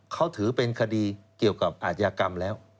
เขาถือเป็นคดีเกี่ยวกับอาชญากรรมแล้ว